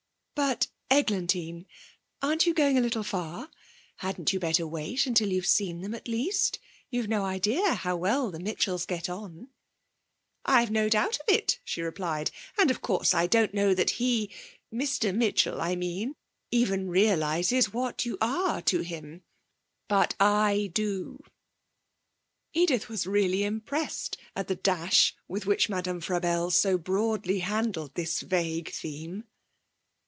'But, Eglantine, aren't you going a little far? Hadn't you better wait until you've seen them, at least. You've no idea how well the Mitchells get on.' 'I've no doubt of it,' she replied, 'and, of course, I don't know that he Mr Mitchell, I mean even realises what you are to him. But I do!' Edith was really impressed at the dash with which Madame Frabelle so broadly handled this vague theme.